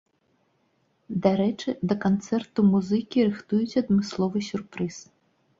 Дарэчы, да канцэрту музыкі рыхтуюць адмысловы сюрпрыз.